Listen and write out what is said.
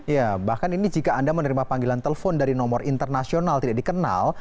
ya bahkan ini jika anda menerima panggilan telepon dari nomor internasional tidak dikenal